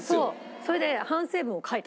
それで反省文を書いた。